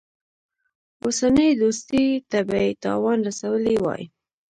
اوسنۍ دوستۍ ته به یې تاوان رسولی وای.